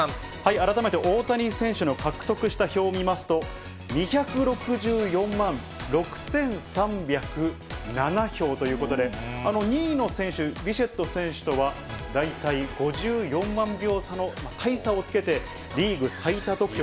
改めて大谷選手の獲得した票を見ますと、２６４万６３０７票ということで、２位の選手、ビシェット選手とは、大体５４万票差の大差をつけて、リーグ最多得票。